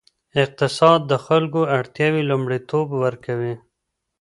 اقتصاد د خلکو اړتیاوې لومړیتوب ورکوي.